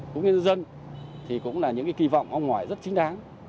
của nhân dân thì cũng là những cái kỳ vọng mong ngoại rất chính đáng